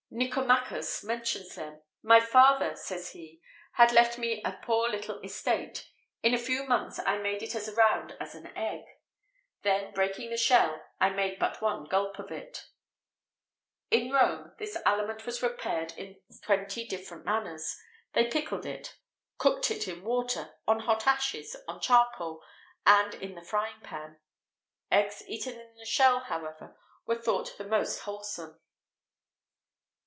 Nicomachus mentions them: "My father," says he, "had left me a poor little estate; in a few months I made it as round as an egg; then, breaking the shell, I made but one gulp of it."[XVIII 79] At Rome, this aliment was prepared in twenty different manners; they pickled it,[XVIII 80] cooked it in water, on hot ashes, on charcoal, and in the fryingpan. Eggs eaten in the shell, however, were thought the most wholesome.